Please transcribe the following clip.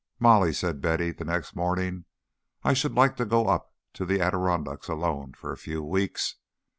XVIII "Molly," said Betty, the next morning, "I should like to go up to the Adirondacks alone for a few weeks.